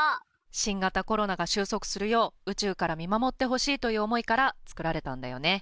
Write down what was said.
新型コロナが終息するよう宇宙から見守ってほしいという思いから作られたんだよね。